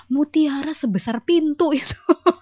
mutiara sebesar pintu itu